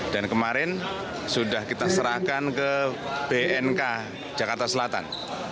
dan kemarin sudah kita serahkan ke bnk jakarta selatan